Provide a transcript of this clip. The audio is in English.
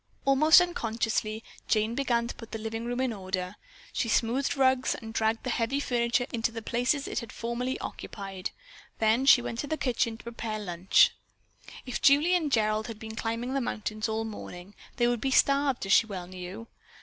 Almost unconsciously Jane began to put the living room in order. She smoothed rugs and dragged the heavy furniture into the places it had formerly occupied. Then she went to the kitchen to prepare lunch. If Julie and Gerald had been climbing the mountains all the morning they would be starved, as she well knew.